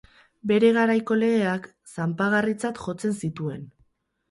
Bere garaiko legeak zanpagarritzat jotzen zituen.